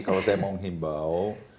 kalau saya mau menghimbau